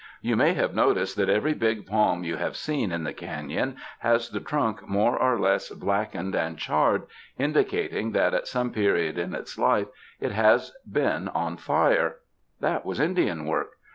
"You may have noticed that every big palm you have seen in the canon has the trunk more or less blackened and charred, indicat ing that at some period in its life, it has been on fire. That was Indian work.